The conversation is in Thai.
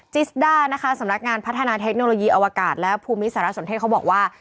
จิสด้านะคะสำนักงานพัฒนาเทคโนโลยีอวกาศและภูมิสารสนเทศเขาบอกว่า